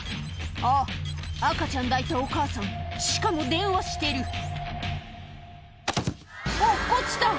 あっ赤ちゃん抱いたお母さんしかも電話してる落っこちた！